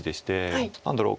何だろう